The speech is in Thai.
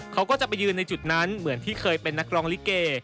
เขาก็จะไปยืนในจุดนั้นเหมือนที่เคยเป็นนักร้องลิเก